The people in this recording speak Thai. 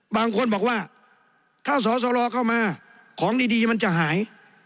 บางคนบอกว่าถ้าสอสรเข้ามาของดีมันจะหาย